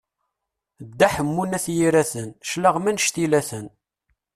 Dda Ḥemmu n At Yiraten, claɣem annect ila-ten!